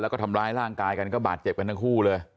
แล้วก็ทำร้ายร่างกายกันก็บาดเจ็บกันทั้งคู่เลย